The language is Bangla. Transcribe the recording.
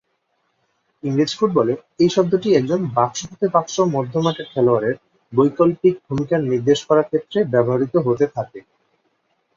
ইংরেজ ফুটবলে, এই শব্দটি একজন "বাক্স-হতে-বাক্স মধ্যমাঠের খেলোয়াড়"-এর বৈকল্পিক ভূমিকার নির্দেশ করা ক্ষেত্রে ব্যবহৃত হতে থাকে।